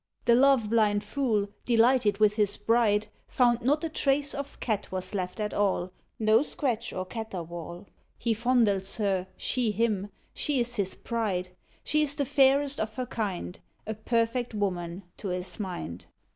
The love blind fool, delighted with his bride, Found not a trace of Cat was left at all, No scratch or caterwaul; He fondles her, she him: she is his pride; She is the fairest of her kind, A perfect woman, to his mind.